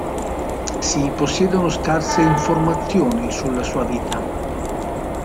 Si possiedono scarse informazioni sulla sua vita.